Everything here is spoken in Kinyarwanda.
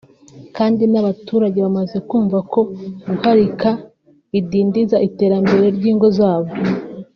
kandi n’abaturage bamaze kumva ko guharika bidindiza iterambere ry’ingo zabo